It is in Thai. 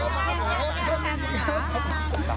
ขอบคุณค่ะ